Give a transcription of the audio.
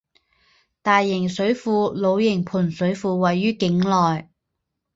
大型水库老营盘水库位于境内。